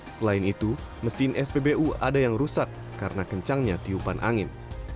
selain itu mesin spbu ada yang rusak karena kencangnya tiupan angin